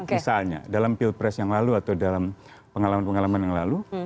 misalnya dalam pilpres yang lalu atau dalam pengalaman pengalaman yang lalu